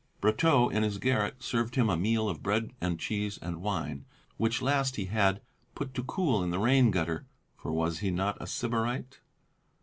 Brotteaux, in his garret, served him a meal of bread and cheese and wine, which last he had put to cool in the rain gutter, for was he not a Sybarite?